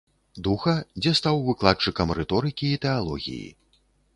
Духа, дзе стаў выкладчыкам рыторыкі і тэалогіі.